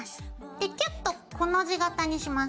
でキュッと「コの字型」にします。